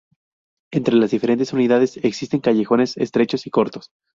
Entre las diferentes unidades existen callejones estrechos y cortos.